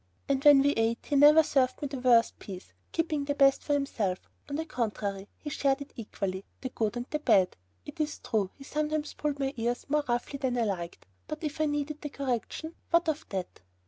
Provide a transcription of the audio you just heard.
And when we ate he never served me the worst piece, keeping the best for himself; on the contrary, he shared it equally, the good and the bad. It is true, he sometimes pulled my ears more roughly than I liked, but if I needed the correction, what of that?